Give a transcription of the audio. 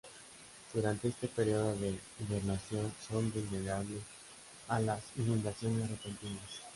Durante este periodo de hibernación son vulnerables a las inundaciones repentinas.